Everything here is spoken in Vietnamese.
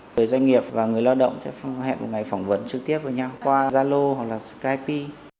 người doanh nghiệp và người lao động sẽ phong hẹn một ngày phỏng vấn trực tiếp với nhau qua zalo hoặc là skype